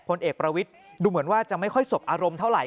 พลเอกประวิทย์ดูเหมือนว่าจะไม่ค่อยสบอารมณ์เท่าไห